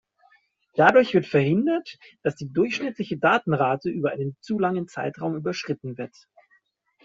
Dadurch wird verhindert, dass die durchschnittliche Datenrate über einen zu langen Zeitraum überschritten wird.